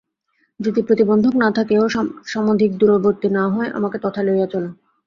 যদি প্রতিবন্ধক না থাকে ও সমধিক দূরবর্তী না হয় আমাকে তথায় লইয়া চল।